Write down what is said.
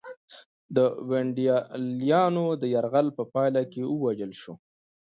د ونډالیانو د یرغل په پایله کې ووژل شو.